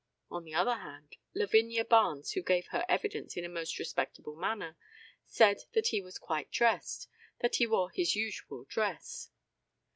On the other hand, Lavinia Barnes, who gave her evidence in a most respectable manner, said that he was quite dressed; that he wore his usual dress.